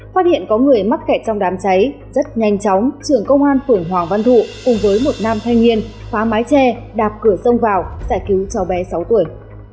phát hiện có người mắc kẹt trong đám cháy rất nhanh chóng trưởng công an phường hoàng văn thụ cùng với một nam thanh niên phá mái tre đạp cửa sông vào giải cứu cháu bé sáu tuổi